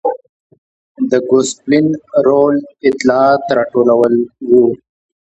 د ګوسپلین رول اطلاعات راټولول و.